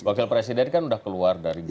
wakil presiden kan sudah keluar dari gerindra